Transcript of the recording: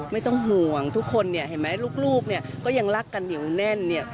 ไม่ต้องห่วงทุกคนเห็นไหมลูกก็ยังรักกันอยู่แน่น